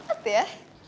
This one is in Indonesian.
lo hebat banget ya